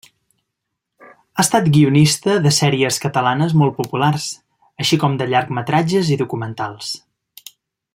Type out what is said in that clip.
Ha estat guionista de sèries catalanes molt populars, així com de llargmetratges i documentals.